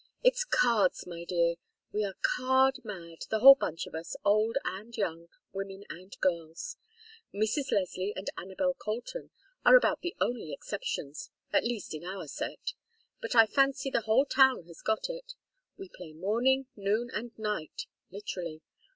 It's cards, my dear. We are card mad, the whole bunch of us, old and young, women and girls. Mrs. Leslie and Anabel Colton are about the only exceptions, at least in our set. But I fancy the whole town has got it. We play morning, noon, and night literally.